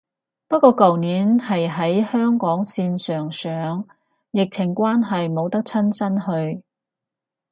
不過舊年係喺香港線上上，疫情關係冇得親身去